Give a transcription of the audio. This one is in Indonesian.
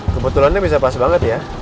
kebetulannya bisa pas banget ya